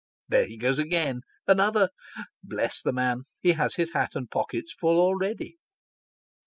There he goes again another ! Bless the man, he has his hat and pockets full already.